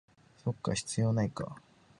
そっか、必要ないか